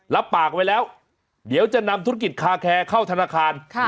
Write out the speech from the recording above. รับปากไว้แล้วเดี๋ยวจะนำธุรกิจคาแคร์เข้าธนาคาร